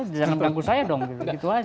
jangan bantu saya dong gitu aja